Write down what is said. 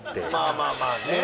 まあまあまあね。